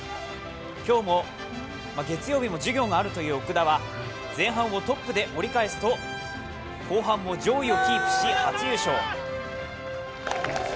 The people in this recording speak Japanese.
月曜日も授業があるという奥田は前半をトップで折り返すと後半も上位をキープし、初優勝。